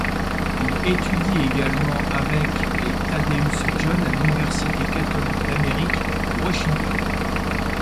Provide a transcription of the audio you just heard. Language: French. Il étudie également avec et Thaddeus Jones à l'université catholique d'Amérique à Washington.